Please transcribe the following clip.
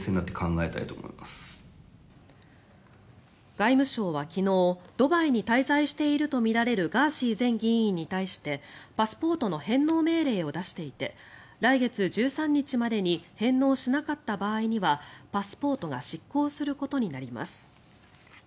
外務省は昨日ドバイに滞在しているとみられるガーシー前議員に対してパスポートの返納命令を出していて来月１３日までに返納しなかった場合にはパスポートが失効することになります。